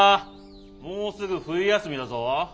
もうすぐ冬休みだぞ。